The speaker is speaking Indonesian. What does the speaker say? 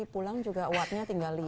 kalau berantem mana bisa berantem lagi